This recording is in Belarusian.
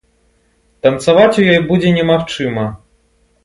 Танцаваць у ёй будзе немагчыма.